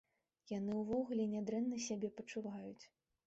Яны, увогуле нядрэнна сябе пачуваюць.